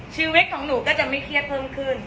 ชีวิตของหนูก็จะไม่เครียดเพิ่มขึ้น